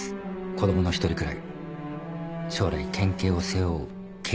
子供の１人くらい将来県警を背負う刑事になってほしい。